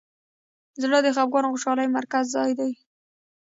زړه د خفګان او خوشحالۍ مرکزي ځای دی.